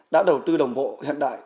đã đầu tư đồng bộ hiện đại